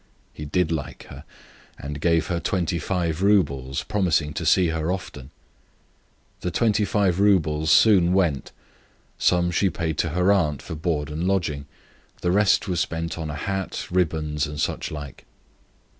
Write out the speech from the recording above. He did like her, and gave her 25 roubles, promising to see her often. The 25 roubles soon went; some she paid to her aunt for board and lodging; the rest was spent on a hat, ribbons, and such like.